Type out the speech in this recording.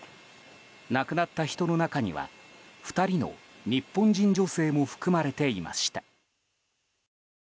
亡くなった人の中には２人の日本人女性も含まれていました。